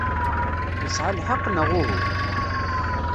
Yesɛa lḥeqq, neɣ uhu?